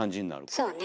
そうね。